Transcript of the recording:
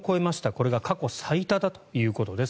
これが過去最多だということです